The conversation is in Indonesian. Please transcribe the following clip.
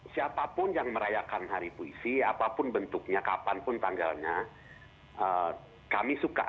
siapapun yang merayakan hari puisi apapun bentuknya kapanpun tanggalnya kami suka